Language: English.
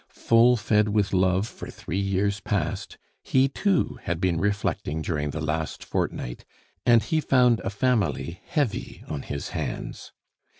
Full fed with love for three years past, he too had been reflecting during the last fortnight; and he found a family heavy on his hands.